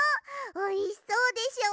おいしそうでしょ。